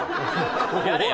やれよ？